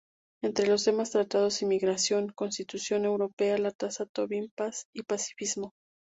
Entre los temas tratados: inmigración, Constitución Europea, la Tasa Tobin, paz y pacifismo.